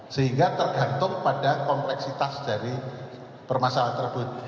sehingga tergantung pada kompleksitas dari permasalahan tersebut